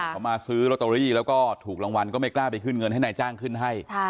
เขามาซื้อลอตเตอรี่แล้วก็ถูกรางวัลก็ไม่กล้าไปขึ้นเงินให้นายจ้างขึ้นให้